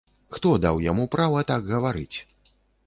Хто даў яму права так гаварыць?